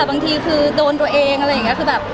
บางทีคือโดนตัวเองอะไรอย่างเงี้ย